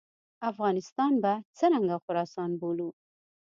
افغانستان به څرنګه خراسان بولو.